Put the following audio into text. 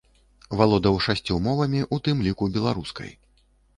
Валодаў шасцю мовамі, у тым ліку беларускай.